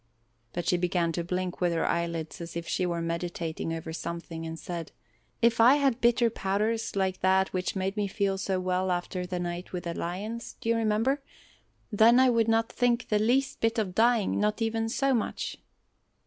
But she began to blink with her eyelids as if she were meditating over something and said: "If I had bitter powders like that which made me feel so well after the night with the lions do you remember? then I would not think the least bit of dying not even so much!"